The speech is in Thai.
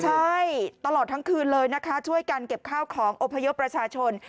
ใช่ตลอดทั้งคืนเลยนะคะช่วยกันเก็บข้าวของอพยพประชาชน